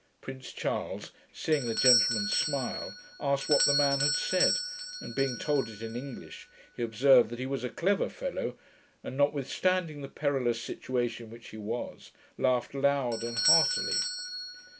Prince Charles, seeing the gentlemen smile, asked what the man had said, and being told it in English, he observed that he was a clever fellow, and, notwithstanding the perilous situation in which he was, laughed loud and heartily.